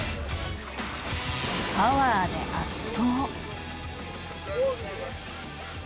パワーで圧倒。